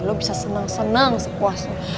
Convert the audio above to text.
lo bisa seneng seneng sepuasnya